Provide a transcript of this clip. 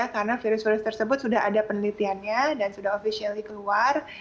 karena virus virus tersebut sudah ada penelitiannya dan sudah officially keluar